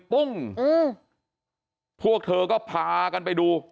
ปุ้งพวกเธอก็พากันไปดู